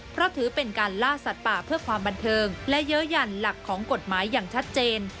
เพราะถือเป็นการล่าสัตว์ป่าเพื่อความบันเทิงและเยอะหยั่นหลักของกฎหมายอย่างชัดเจน